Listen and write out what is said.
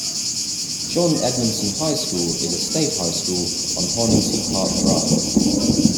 John Edmondson High School is a state high school on Horningsea Park Drive.